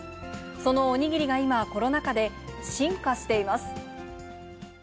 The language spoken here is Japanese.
そのおにぎりが今、コロナ禍で進化しています。